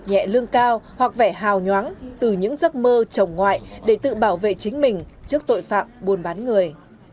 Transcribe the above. nhẹ lương cao hoặc vẻ hào nhoáng từ những giấc mơ chồng ngoại để tự bảo vệ chính mình trước tội phạm buôn bán người